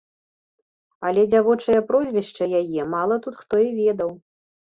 Але дзявочае прозвішча яе мала тут хто і ведаў.